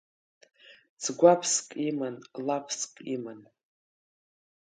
Цгәаԥск иман, лаԥск иман.